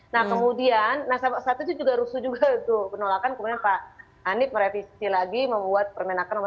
nah kemudian nah saat itu juga rusuh juga tuh penolakan kemudian pak hanif merevisi lagi membuat permenaker nomor sembilan belas